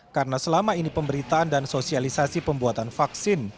karena selama ini pemberitaan dan sosialisasi pembuatan vaksin